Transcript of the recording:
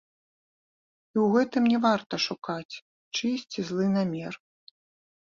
І ў гэтым не варта шукаць чыйсьці злы намер.